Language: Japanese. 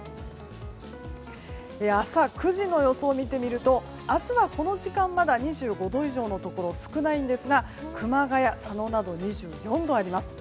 朝９時の予想を見てみると明日はこの時間まだ２５度以上のところが少ないんですが熊谷、佐野などで２４度あります。